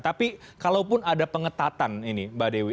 tapi kalaupun ada pengetatan ini mbak dewi